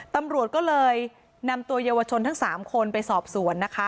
ตำรวจก็เลยนำตัวเยาวชนทั้ง๓คนไปสอบสวนนะคะ